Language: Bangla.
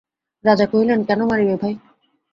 রাজা কহিলেন, কেন মারিবে ভাই?